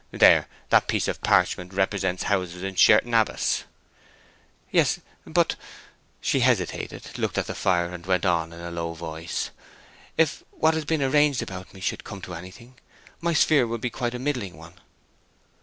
There, that piece of parchment represents houses in Sherton Abbas." "Yes, but—" She hesitated, looked at the fire, and went on in a low voice: "If what has been arranged about me should come to anything, my sphere will be quite a middling one."